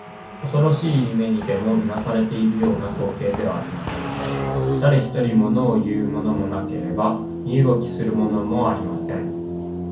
おそろしい夢にでもうなされているような光景ではありませんか。だれひとり、ものをいうものもなければ身動きするものもありません。